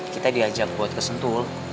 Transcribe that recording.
kita diajak buat kesentul